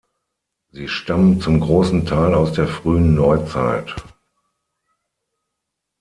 Sie stammen zum großen Teil aus der frühen Neuzeit.